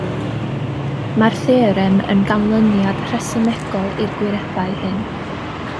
Mae'r theorem yn ganlyniad rhesymegol i'r gwirebau hyn.